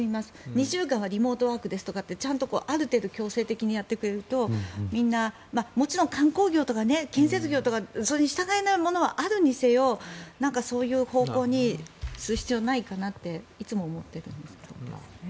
２週間はリモートワークですとかってちゃんと、ある程度強制的にやってくれるともちろん観光業とか建設業とかそれに従えないものはあるにせよなんかそういう方向にする必要ないかなっていつも思っているんですけど。